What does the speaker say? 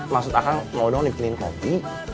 maksud akang mau dong dibikinin kopi